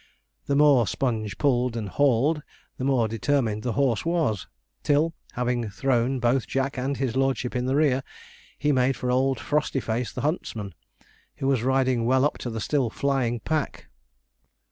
The more Sponge pulled and hauled, the more determined the horse was; till, having thrown both Jack and his lordship in the rear, he made for old Frostyface, the huntsman, who was riding well up to the still flying pack.